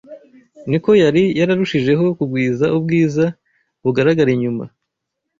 ni ko yari yararushijeho kugwiza ubwiza bugaragara inyuma